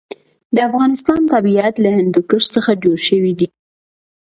د افغانستان طبیعت له هندوکش څخه جوړ شوی دی.